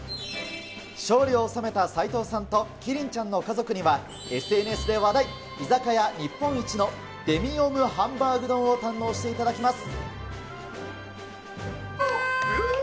勝利を収めた斉藤さんとキリンちゃんの家族には、ＳＮＳで話題、居酒屋にっぽん市のデミオムハンバーグ丼を堪能していただきます。